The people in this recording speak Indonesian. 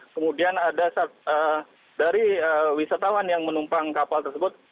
kemudian ada dari wisatawan yang menumpang kapal tersebut